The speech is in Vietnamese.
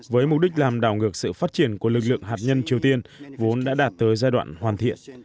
với mục đích làm đảo ngược sự phát triển của lực lượng hạt nhân triều tiên vốn đã đạt tới giai đoạn hoàn thiện